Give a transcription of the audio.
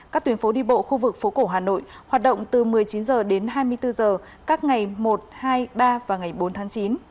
các tuyến phố đi bộ khu vực phố cổ hà nội hoạt động từ một mươi chín h đến hai mươi bốn h các ngày một hai ba và ngày bốn tháng chín